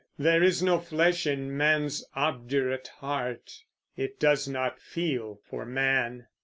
There is no flesh in man's obdurate heart, It does not feel for man.